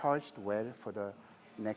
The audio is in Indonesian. untuk operasi berikutnya